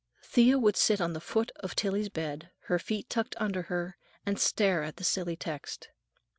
Thea would sit on the foot of Tillie's bed, her feet tucked under her, and stare at the silly text.